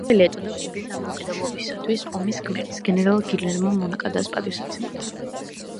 სახელი ეწოდა კუბის დამოუკიდებლობისათვის ომის გმირის, გენერალ გილერმო მონკადას პატივსაცემად.